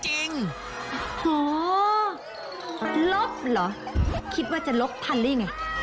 โอ้โหลบเหรอคิดว่าจะลบทันหรือยังไง